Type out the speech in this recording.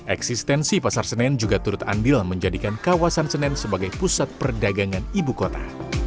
eksistensi pasar senen juga turut andil menjadikan kawasan senen sebagai pusat perdagangan ibu kota